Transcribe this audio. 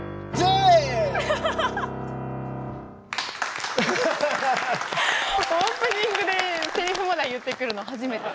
オープニングでせりふまで言ってくるの初めて。